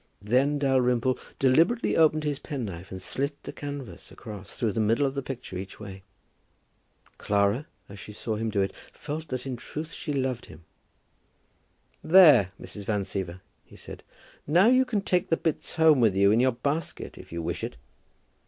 Then Dalrymple deliberately opened his penknife and slit the canvas across, through the middle of the picture each way. Clara, as she saw him do it, felt that in truth she loved him. "There, Mrs. Van Siever," he said; "now you can take the bits home with you in your basket if you wish it."